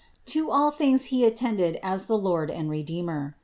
To all things He attended as the Lord and Redeemer.